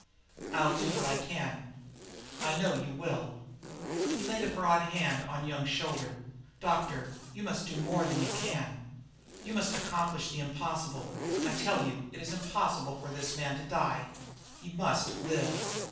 "I'll do what I can." "I know you will." He laid the broad hand on Young's shoulder. "Doctor, you must do more than you can; you must accomplish the impossible; I tell you, it is impossible for this man to die; he must live!"